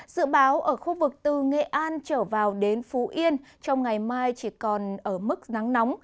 dự báo ở khu vực từ nghệ an trở vào đến phú yên trong ngày mai chỉ còn ở mức nắng nóng